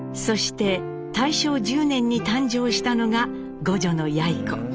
そして大正１０年に誕生したのが５女のやい子。